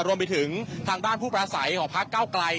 รวมไปถึงทางด้านผู้ประสัยของพักเก้าไกล